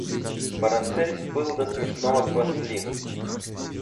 Парацельс был до смешного хвастлив.